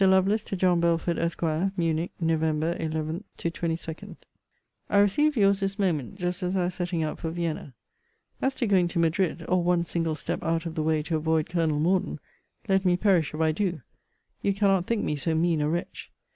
LOVELACE, TO JOHN BELFORD, ESQ. MUNICH, NOV. 11 22. I received your's this moment, just as I was setting out for Vienna. As to going to Madrid, or one single step out of the way to avoid Colonel Morden, let me perish if I do! You cannot think me so mean a wretch.